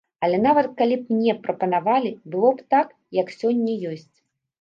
Але нават калі б мне прапанавалі, было б так, як сёння ёсць.